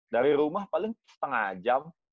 dari rumah paling setengah jam